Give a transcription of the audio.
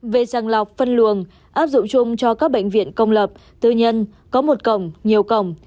về sàng lọc phân luồng áp dụng chung cho các bệnh viện công lập tư nhân có một cổng nhiều cổng